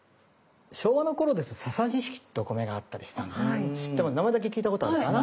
昭和の頃ですとササニシキってお米があったりしたんですけど知って名前だけ聞いたことあるかな？